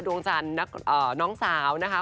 ดวงจันทร์น้องสาวนะคะ